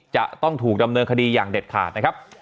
จะต้องถูกดำเนินคดีอย่างเด็ดขาดนะครับ